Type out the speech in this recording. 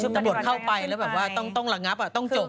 ตำรวจต้องหลังงับต้องจบอ่ะ